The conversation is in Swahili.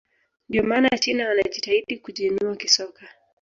ndio maana china wanajitahidi kujiinua kisoka